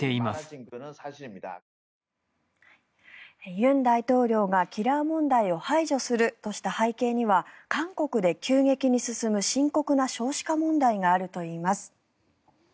尹大統領がキラー問題を排除するとした背景には韓国で急激に進む深刻な少子化問題があるといいます。